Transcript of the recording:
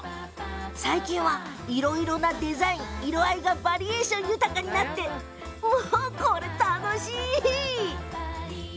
最近は、いろんなデザイン色合いがバリエーション豊かになってすごく楽しいですよね。